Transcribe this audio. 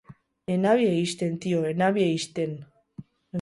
Enabie ixten tio, enabie ixten